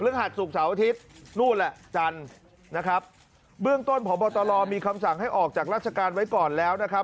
หัสศุกร์เสาร์อาทิตย์นู่นแหละจันทร์นะครับเบื้องต้นพบตรมีคำสั่งให้ออกจากราชการไว้ก่อนแล้วนะครับ